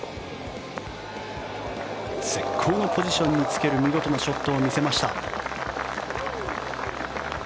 絶好のポジションにつける見事なショットを見せました。